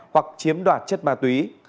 hoặc chiếm đoạt chất ma túy